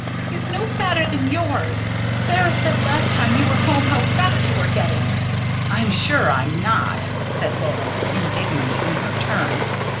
It's no fatter than yours. Sarah said last time you were home how fat you were getting." "I'm sure I'm not," said Laura, indignant in her turn.